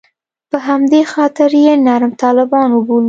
په همدې خاطر یې نرم طالبان وبولو.